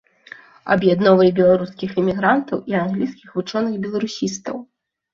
Аб'ядноўвае беларускіх эмігрантаў і англійскіх вучоных-беларусістаў.